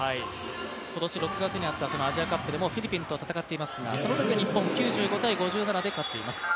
今年６月にあったアジアカップでも中国と戦っていますがそのときは日本、９５−５７で勝っています。